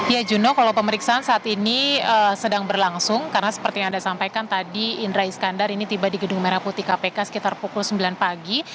ya juno kalau pemeriksaan saat ini sedang berlangsung karena seperti yang anda sampaikan tadi indra iskandar ini tiba di gedung merah putih kpk sekitar pukul sembilan pagi